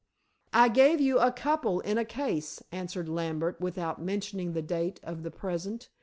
"I gave you a couple in a case," answered Lambert without mentioning the date of the present.